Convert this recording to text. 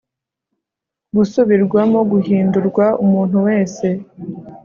gusubirwamo guhindurwa umuntu wese